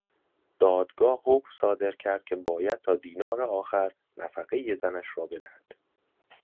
دادگاه حکم صادر کرد که باید تا دینار آخر نفقهی زنش را بدهد.